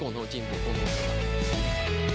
untuk berkembang bersama sama